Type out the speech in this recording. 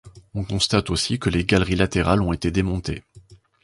On constate aussi que les galeries latérales ont été démontées.